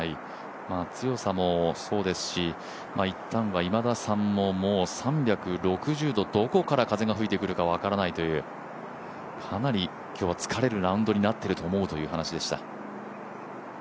強さもそうですしいったんは今田さんも３６０度どこから風が吹いてくるか分からないという、かなり今日は疲れるラウンドになっていると思うという話でした。